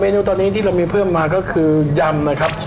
เนื้อตอนนี้ที่เรามีเพิ่มมาก็คือยำนะครับ